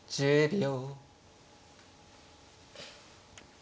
１０秒。